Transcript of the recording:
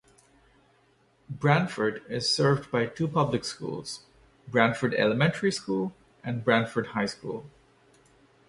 Branford is served by two Public Schools, Branford Elementary School and Branford High School.